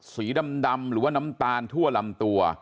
สีดำหรือว่าน้ำตาลทั่วลำตัว